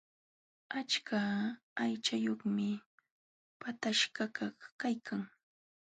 Achka aychayuqmi pataskakaq kaykan.